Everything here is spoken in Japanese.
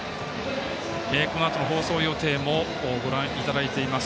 このあとの放送予定もご覧いただいています。